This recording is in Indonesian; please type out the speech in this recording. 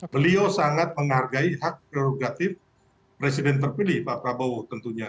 beliau sangat menghargai hak prerogatif presiden terpilih pak prabowo tentunya